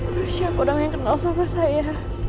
terus siapa dong yang kenal sama saya